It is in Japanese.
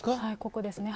ここですね。